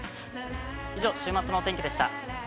以上、週末のお天気でした。